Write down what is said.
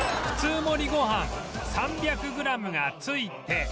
普通盛りご飯３００グラムが付いて